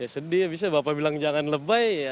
ya sedih abisnya bapak bilang jangan lebay